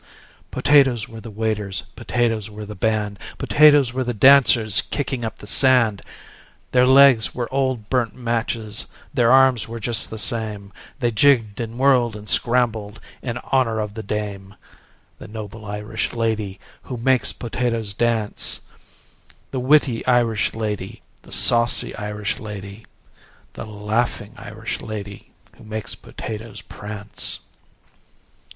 "Potatoes were the waiters, Potatoes were the band, Potatoes were the dancers Kicking up the sand: Their legs were old burnt matches, Their arms were just the same, They jigged and whirled and scrambled In honor of the dame: The noble Irish lady Who makes potatoes dance, The witty Irish lady, The saucy Irish lady, The laughing Irish lady Who makes potatoes prance.